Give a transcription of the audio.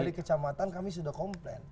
dari kecamatan kami sudah komplain